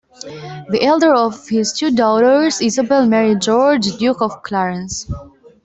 The elder of his two daughters, Isabel, married George, Duke of Clarence.